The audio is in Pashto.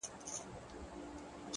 اوښکي ساتمه ستا راتلو ته تر هغې پوري؛